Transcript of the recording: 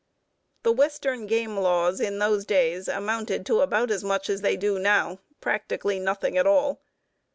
The western game laws of those days amounted to about as much as they do now; practically nothing at all.